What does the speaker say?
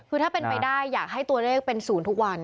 คือถ้าเป็นไปได้อยากให้ตัวเลขเป็น๐ทุกวัน